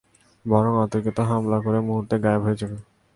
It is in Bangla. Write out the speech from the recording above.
বরং অতর্কিতে হামলা করে মুহূর্তে গায়েব হয়ে যাবে।